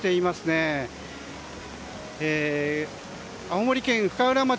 青森県の深浦町。